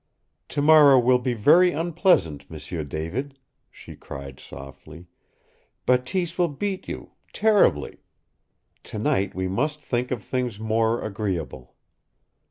"Tomorrow will be very unpleasant, M'sieu David," she cried softly. "Bateese will beat you terribly. Tonight we must think of things more agreeable."